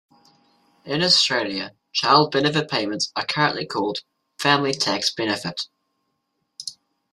In Australia, Child benefit payments are currently called Family Tax Benefit.